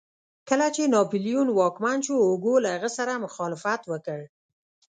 کله چې ناپلیون واکمن شو هوګو له هغه سره مخالفت وکړ.